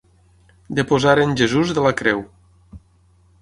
Deposaren Jesús de la creu.